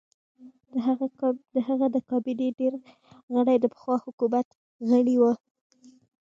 د هغه د کابینې ډېر غړي د پخوا حکومت غړي وو.